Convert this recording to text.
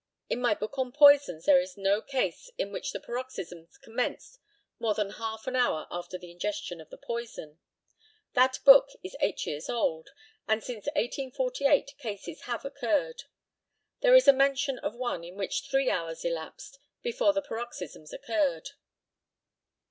In my book on poisons there is no case in which the paroxysms commenced more than half an hour after the ingestion of the poison. That book is eight years old, and since 1848 cases have occurred. There is a mention of one in which three hours elapsed before the paroxysms occurred.